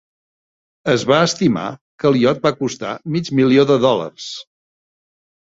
Es va estimar que el iot va costar mig milió de dòlars.